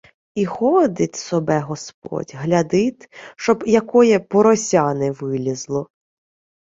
І ходит собе господь, глядит, щоб якоє порося не вилєзло.